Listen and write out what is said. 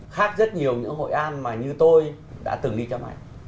khác rất nhiều những hội an mà như tôi đã từng đi chăm ảnh